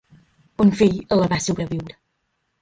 Un fill la va sobreviure.